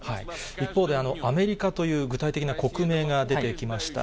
一方で、アメリカという具体的な国名が出てきました。